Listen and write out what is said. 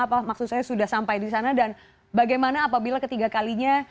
apakah maksudnya sudah sampai di sana dan bagaimana apabila ketiga kalinya